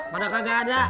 mana kakak ada